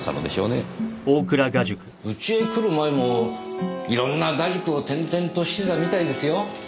うちへ来る前もいろんな画塾を転々としてたみたいですよ。